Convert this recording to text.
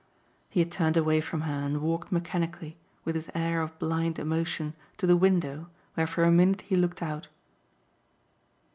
He had turned away from her and walked mechanically, with his air of blind emotion, to the window, where for a minute he looked out.